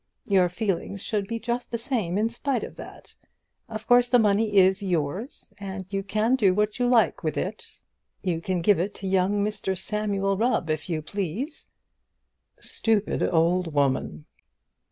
Your feelings should be just the same in spite of that. Of course the money is yours and you can do what you like with it. You can give it to young Mr Samuel Rubb, if you please." Stupid old woman!